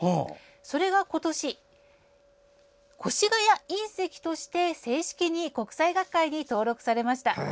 それが今年、「越谷隕石」として正式に国際学会に登録されました。